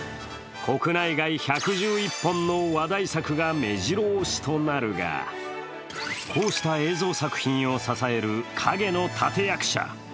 国内外１１１本の話題作がめじろ押しとなるが、こうした映像作品を支える影の立役者。